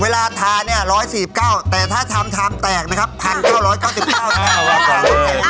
ลูกชิ้นยักษ์ของแกโอ๊ยเป็นชูน้องชิ้นยักษ์ของแก